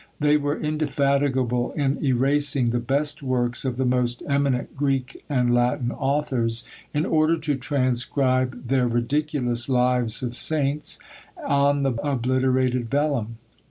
They were indefatigable in erasing the best works of the most eminent Greek and Latin authors, in order to transcribe their ridiculous lives of saints on the obliterated vellum.